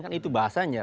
kan itu bahasanya